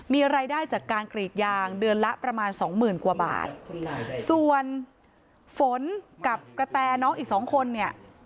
มีรายได้จากการกรีดยางเดือนละประมาณสองหมื่นกว่าบาทส่วนฝนกับกระแตน้องอีกสองคนเนี่ย